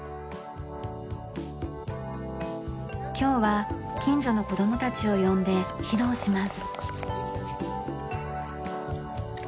今日は近所の子供たちを呼んで披露します。